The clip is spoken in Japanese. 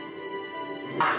あっ！